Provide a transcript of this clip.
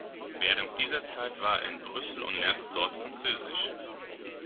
Während dieser Zeit war er in Brüssel und lernte dort französisch.